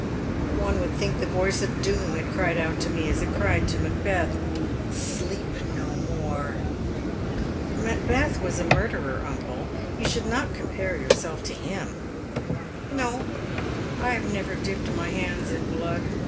One would think the voice of doom had cried out to me, as it cried to Macbeth, ' Sleep no more !'"" Macbeth was a murderer, uncle. You should not compare yourself to him." " No ; I have never dipped my hands in blood.